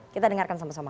kita dengarkan sama sama